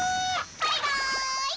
バイバイ。